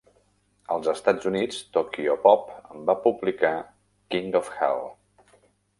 Als Estats Units, Tokyopop va publicar "King of Hell".